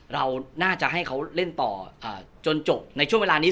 เราน่าจะให้เขาเล่นต่อจนจบในช่วงเวลานี้